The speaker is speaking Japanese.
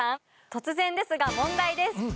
突然ですが問題です。